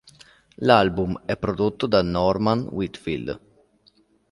L'album è prodotto da Norman Whitfield.